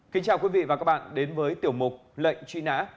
kính chào quý vị và các bạn đến với tiểu mục lệnh truy nã